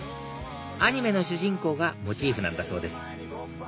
アニメの主人公がモチーフなんだそうです